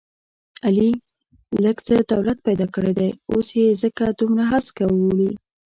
علي لږ څه دولت پیدا کړی دی، اوس یې ځکه دومره هسکه وړوي...